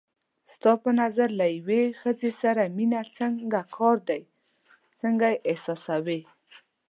ستا په نظر له یوې ښځې سره مینه څنګه کار دی، څنګه یې احساسوې؟